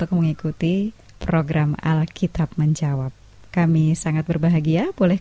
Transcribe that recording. kota sion yang terindah